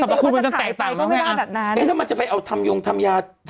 สมมติคุณคุณจะแตกต่างแล้วเมามั้ยอะเอ๊ะเอ๊ะถ้ามันจะไปเอาทำยงทำยา